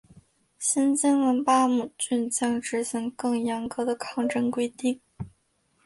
新建的巴姆郡将执行更严格的抗震规定。